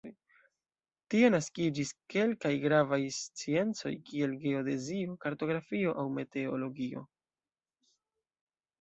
Tie naskiĝis kelkaj gravaj sciencoj kiel geodezio, kartografio aŭ meteologio.